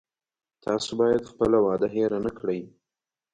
تاسو باید خپله وعده هیره نه کړی